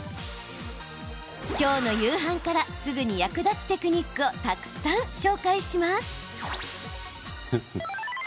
今日の夕飯からすぐに役立つテクニックをたくさん紹介します。